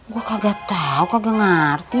gue kagak tau kagak ngerti